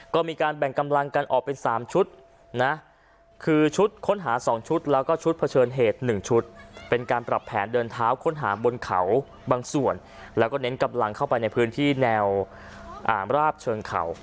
ก็มีการแบ่งกำลังกันออกเป็น๓ชุดนะคือชุดค้นหา๒ชุดแล้วก็ชุดเผชิญเหตุ๑ชุดเป็นการปรับแผนเดินเท้าค้นหาบนเขาบางส่วนแล้วก็เน้นกำลังเข้าไปในพื้นที่แนวราบเชิงเขา